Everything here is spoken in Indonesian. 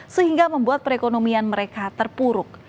sehingga membuat perekonomian mereka terpuruk